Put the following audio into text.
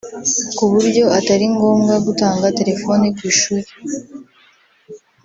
ku buryo Atari ngombwa gutunga telephone ku ishuri